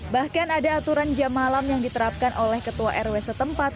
bahkan ada aturan jam malam yang diterapkan oleh ketua rw setempat